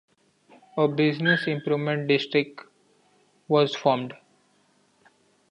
A business improvement district was formed.